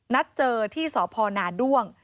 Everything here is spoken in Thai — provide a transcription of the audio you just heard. นัดเจอที่สพนาด้วง